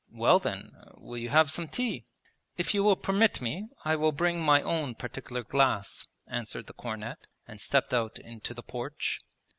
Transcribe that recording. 'Well then, will you have some tea?' 'If you will permit me, I will bring my own particular glass,' answered the cornet, and stepped out into the porch.